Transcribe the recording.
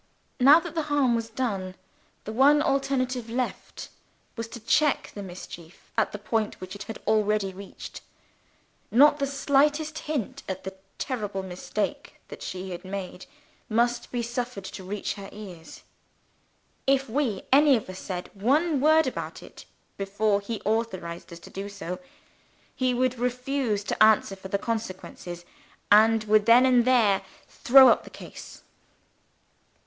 Now that the harm was done, the one alternative left was to check the mischief at the point which it had already reached. Not the slightest hint at the terrible mistake that she had made must be suffered to reach her ears. If we any of us said one word about it before he authorized us to do so, he would refuse to answer for the consequences, and would then and there throw up the case.